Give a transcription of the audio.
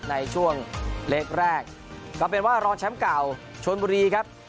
ในช่วงเล็กแรกก็เป็นว่ารองแชมป์เก่าชนบุรีครับ